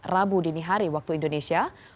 rabu dini hari waktu indonesia